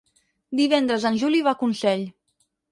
Divendres en Juli va a Consell.